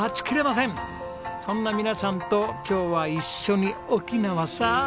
そんな皆さんと今日は一緒に沖縄サー！